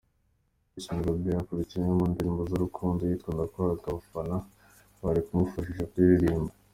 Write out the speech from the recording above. Bruce Melody akurikiyeho mu ndirimbo z’urukundo, iyitwa ’Ndakwanga’ abafana bari kumufasha kuyiririmba.